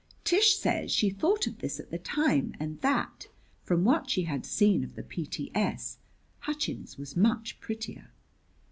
[Tish says she thought of this at the time, and that; from what she had seen of the P.T.S., Hutchins was much prettier.